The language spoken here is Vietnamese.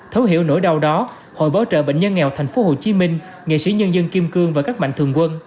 thấu hiểu nỗi đau đó hội bảo trợ bệnh nhân nghèo tp hcm nghệ sĩ nhân dân kim cương và các mạnh thường quân